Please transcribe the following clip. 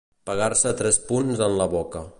Pegar-se tres punts en la boca.